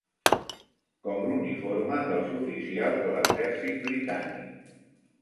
Com l'uniforme dels oficials de l'exèrcit britànic